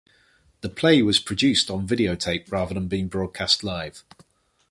The play was produced on videotape rather than being broadcast live.